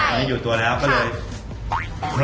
ตอนนี้อยู่ตัวแล้วก็เลย